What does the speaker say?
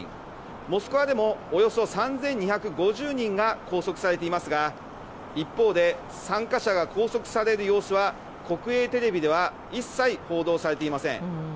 モスクワでもおよそ３２５０人が拘束されていますが一方で参加者が拘束される様子は国営テレビでは一切報道されていません。